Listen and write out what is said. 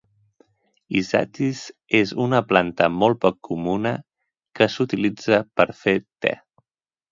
Isatis és una planta molt poc comuna que s'utilitza per fer te.